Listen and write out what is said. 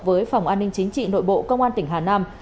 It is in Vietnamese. với phòng an ninh chính trị nội bộ công an tỉnh hà nam